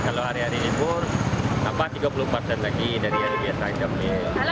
kalau hari hari libur tambah tiga puluh persen lagi dari hari biasa jambi